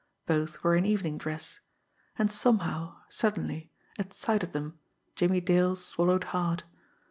Both were in evening dress and somehow, suddenly, at sight of them Jimmie Dale swallowed hard.